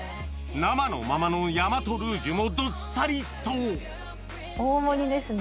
生のままの大和ルージュもどっさりと大盛りですね。